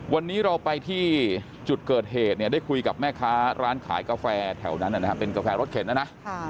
วันนี้เราไปที่จุดเกิดเหตุเนี่ยได้คุยกับแม่ค้าร้านขายกาแฟแถวนั้นนะครับเป็นกาแฟรถเข็นนะนะ